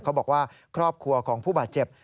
เขาบอกว่าครอบครัวของผู้บาดเจ็บ